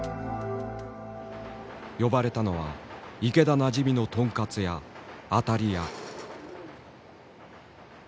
呼ばれたのは池田なじみのとんかつ屋「あたりや」。